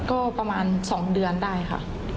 ก็ประมาณ๒เดือนได้ค่ะ